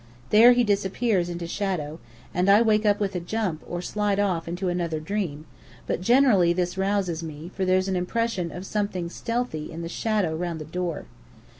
There he disappears into shadow and I wake up with a jump, or slide off into another dream but generally this rouses me, for there's an impression of something stealthy in the shadow round the door.